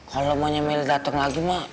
kalau emaknya meli datang lagi mak